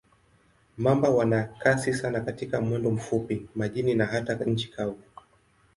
Mamba wana kasi sana katika mwendo mfupi, majini na hata nchi kavu.